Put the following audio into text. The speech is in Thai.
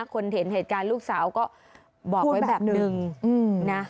คนเห็นเหตุการณ์ลูกสาวก็บอกไว้แบบนึงนะ